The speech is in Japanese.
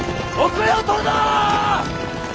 後れを取るな！